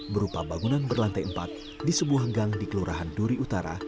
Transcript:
berupa bangunan berlantai empat di sebuah gang di kelurahan duri utara